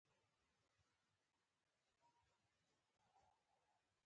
د لمر پاچا باندې مشهور و.